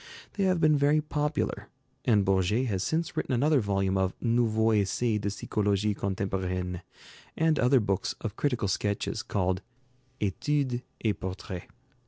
They have been very popular, and Bourget has since written another volume of 'Nouveaux Essais de Psychologie Contemporaine,' and other books of critical sketches called 'Études et Portraits.'